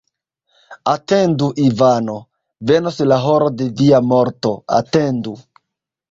Atendu, Ivano: venos la horo de via morto, atendu!